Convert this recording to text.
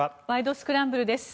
スクランブル」です。